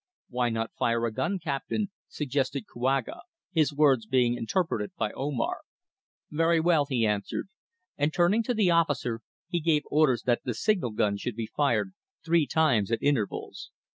"Why not fire a gun, Captain?" suggested Kouaga, his words being interpreted by Omar. "Very well," he answered, and turning to the officer, he gave orders that the signal gun should be fired three times at intervals.